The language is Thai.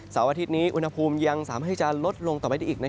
เสาร์วันอาทิตย์นี้อุณหภูมิยังสามารถลดลงได้อีก